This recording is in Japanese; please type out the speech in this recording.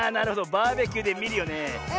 バーベキューでみるよね。